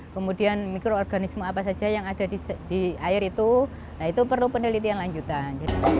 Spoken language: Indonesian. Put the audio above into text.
kemudian mikroorganisme apa saja yang ada di air itu itu perlu penelitian lanjutan